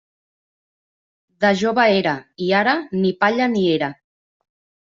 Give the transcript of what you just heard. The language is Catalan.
De jove era, i ara ni palla ni era.